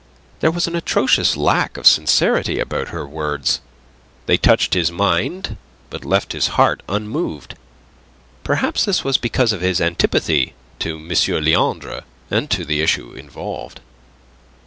There was an atrocious lack of sincerity about her words. They touched his mind, but left his heart unmoved. Perhaps this was because of his antipathy to M. Leandre and to the issue involved.